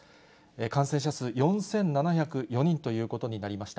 感染者数、４７０４人ということになりました。